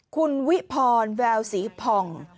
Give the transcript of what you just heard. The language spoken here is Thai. คุณวิพรแววสีผ่อง